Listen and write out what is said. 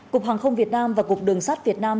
cục hàng không việt nam và cục đường sắt việt nam